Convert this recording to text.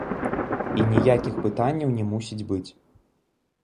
І ніякіх пытанняў не мусіць быць.